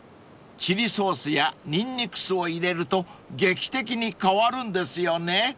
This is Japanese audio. ［チリソースやニンニク酢を入れると劇的に変わるんですよね］